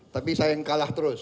tapi saya yang kalah terus